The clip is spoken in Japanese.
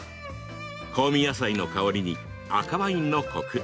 香味野菜の香りに赤ワインのコク